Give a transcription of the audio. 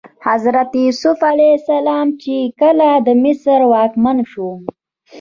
حضرت یوسف علیه السلام چې کله د مصر واکمن شو.